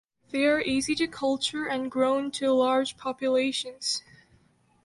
They are easy to culture and grown to large populations.